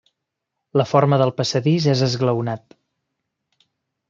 La forma del passadís és esglaonat.